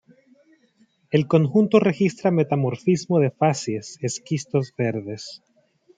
El conjunto registra metamorfismo de facies esquistos verdes.